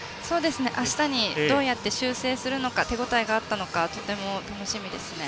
あしたに向けどうやって修正するか手応えがあったのかとても楽しみですね。